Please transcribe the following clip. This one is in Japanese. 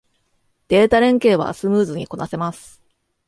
データ連携はスムーズにこなせます